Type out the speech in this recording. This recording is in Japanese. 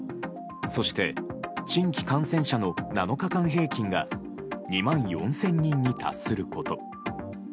そして、新規感染者の７日間平均が２万４０００人に達すること。